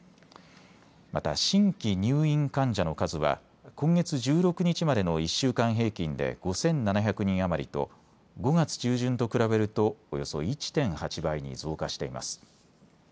また新規入院患者の数は今月１６日までの１週間平均で５７００人余りと５月中旬と比べるとおよそ１．８倍に増加しています。